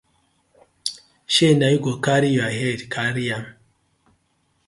Shey na yu go karry yu head carry am.